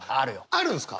あるんですか。